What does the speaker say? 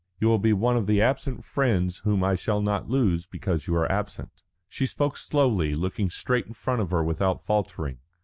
You will be one of the absent friends whom I shall not lose because you are absent." She spoke slowly, looking straight in front of her without faltering.